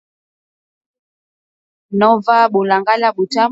Bunga bwa nova bunaikalaka butamu